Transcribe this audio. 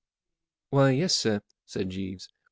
44 Why, yes, sir," said Jeeves.